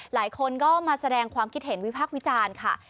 หลายคนก็มาแสดงความคิดเห็นวิพากษ์วิจารณ์ค่ะ